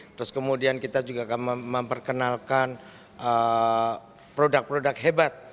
terus kemudian kita juga akan memperkenalkan produk produk hebat